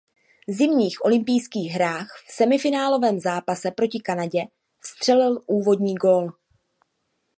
Zimních olympijských hrách v semifinálovém zápase proti Kanadě vstřelil úvodní gól.